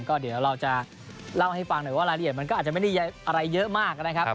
ก็เดี๋ยวเราจะเล่าให้ฟังหน่อยว่ารายละเอียดมันก็อาจจะไม่ได้อะไรเยอะมากนะครับ